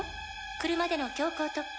「車での強行突破